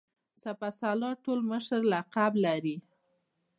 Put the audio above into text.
سپه سالار ټول مشر لقب لري.